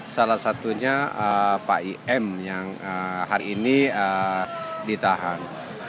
salah satunya pak im yang hari ini ditahan